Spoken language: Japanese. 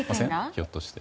ひょっとして。